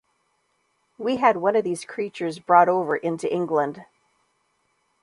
We had one of these creatures brought over into England.